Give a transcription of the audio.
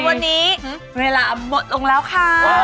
วันนี้เวลาหมดลงแล้วค่ะ